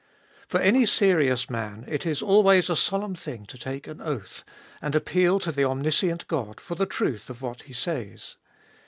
FOR any serious man it is always a solemn thing to take an oath, and appeal to the omniscient God for the truth of what He says.